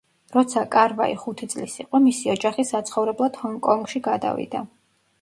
როცა კარ-ვაი ხუთი წლის იყო, მისი ოჯახი საცხოვრებლად ჰონგ-კონგში გადავიდა.